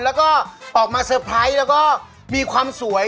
แล้วก็ออกมาเตอร์ไพรส์แล้วก็มีความสวย